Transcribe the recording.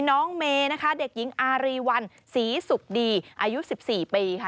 น้องเมนะคะเด็กหญิงอารีวัลศรีสุขดีอายุ๑๔ปีค่ะ